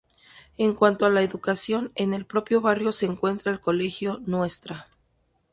En cuanto a la educación, en el propio barrio se encuentra el Colegio Ntra.